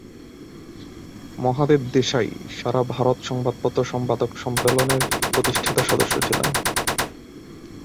মহাদেব দেশাই সারা ভারত সংবাদপত্র সম্পাদক সম্মেলন- এর প্রতিষ্ঠাতা সদস্য ছিলেন।